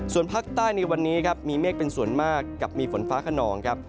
ส่วนภาคใต้ในวันนี้ครับมีเมฆเป็นส่วนมากกับมีฝนฟ้าขนองครับ